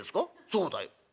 「そうだよ」。